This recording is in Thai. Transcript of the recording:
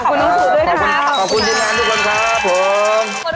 ขอบคุณทุกคนครับผม